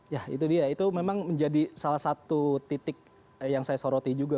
ya itu dia itu memang menjadi salah satu titik yang saya soroti juga